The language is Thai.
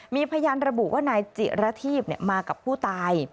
มีพยานระบุว่านายจิระทีพมากับผู้ตาย